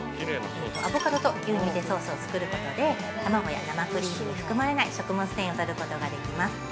アボカドと牛乳でソースを作ることで卵や生クリームに含まれない食物繊維をとることができます。